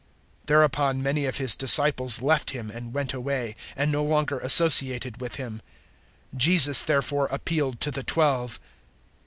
006:066 Thereupon many of His disciples left Him and went away, and no longer associated with Him. 006:067 Jesus therefore appealed to the Twelve.